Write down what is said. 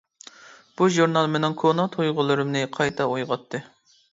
بۇ ژۇرنال مېنىڭ كونا تۇيغۇلىرىمنى قايتا ئويغاتتى.